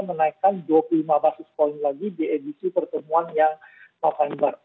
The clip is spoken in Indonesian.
menaikkan dua puluh lima basis point lagi di edisi pertemuan yang november